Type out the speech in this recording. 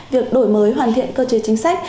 việc đổi mới hoàn thiện cơ chế chính xác